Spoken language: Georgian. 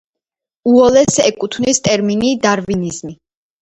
უოლეს ეკუთვნის ტერმინი „დარვინიზმი“.